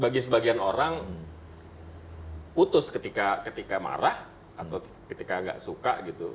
bagi sebagian orang putus ketika marah atau ketika nggak suka gitu